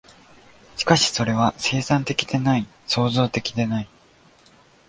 しかしそれは生産的でない、創造的でない。